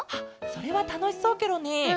それはたのしそうケロね。